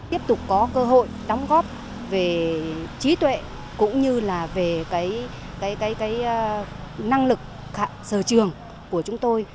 tiếp tục có cơ hội đóng góp về trí tuệ cũng như là về năng lực sở trường của chúng tôi